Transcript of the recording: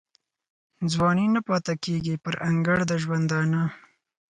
ځواني نه پاته کیږي پر انګړ د ژوندانه